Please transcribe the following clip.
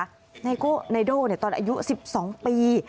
ไดโน่นี่ตอนอายุสิบสองปี